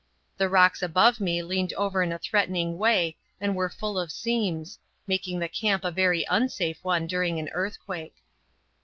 The rocks above me leaned over in a threatening way and were full of seams, making the camp a very unsafe one during an earthquake.